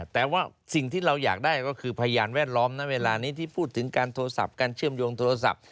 แต่ว่าสิ่งที่เราอยากได้ก็คือพยานแวดล้อมณเวลานี้ที่พูดถึงการโทรศัพท์การเชื่อมโยงโทรศัพท์